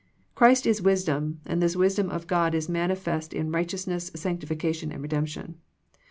Christ is wisdom, and this wisdom of God is manifest in righteousness, sanctification and redemption.